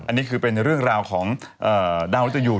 อันนี้คือเป็นเรื่องราวของดาวตยู